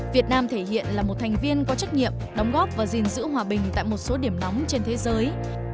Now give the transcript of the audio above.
việt nam thể hiện là một thành viên có trách nhiệm đóng góp và gìn giữ hòa bình tại một số điểm nóng trên thế giới